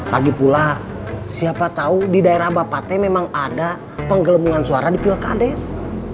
lagipula siapa tahu di daerah bapak t memang ada penggelembungan suara di pilkades